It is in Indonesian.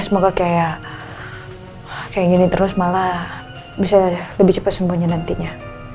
semoga kayak gini terus malah bisa lebih cepat sembuhnya nantinya